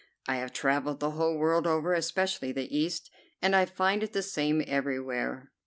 I have travelled the whole world over, especially the East, and I find it the same everywhere.